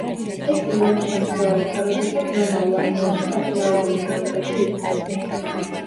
ეს პირველი შემთხვევა იყო, როდესაც რომაულ არმიაში დაქირავებული მეომრები იბრძოდნენ.